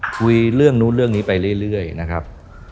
คุยเรื่องนู้นเรื่องนี้ไปเรื่อยนะครับ